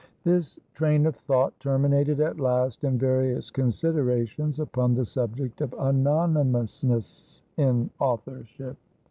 This train of thought terminated at last in various considerations upon the subject of anonymousness in authorship.